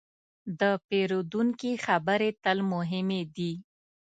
د پیرودونکي خبرې تل مهمې دي.